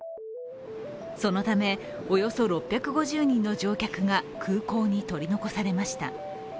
そのため、およそ６５０人の乗客が空港に取り残されました。